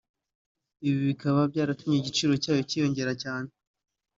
ibi bikaba byaratumye igiciro cyayo cyiyongera cyane